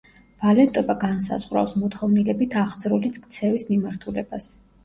ვალენტობა განსაზღვრავს, მოთხოვნილებით აღძრული ქცევის მიმართულებას.